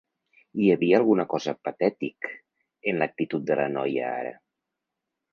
Hi havia alguna cosa patètic en l'actitud de la noia ara.